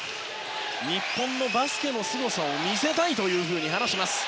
日本のバスケのすごさを見せたいというふうに話します。